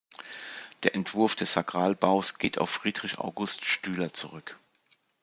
Der Entwurf des Sakralbaus geht auf Friedrich August Stüler zurück.